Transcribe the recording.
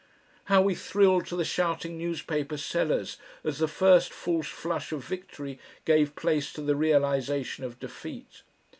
How we thrilled to the shouting newspaper sellers as the first false flush of victory gave place to the realisation of defeat.